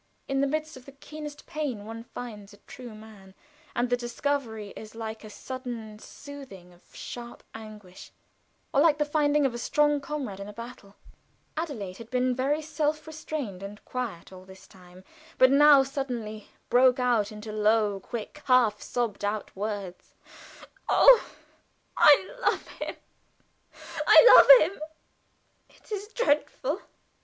In the midst of the keenest pain one finds a true man, and the discovery is like a sudden soothing of sharp anguish, or like the finding a strong comrade in a battle. Adelaide had been very self restrained and quiet all this time, but now suddenly broke out into low, quick, half sobbed out words: "Oh, I love him, I love him! It is dreadful!